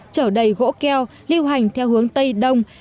chở đầy gỗ keo lưu hành theo hướng tây đông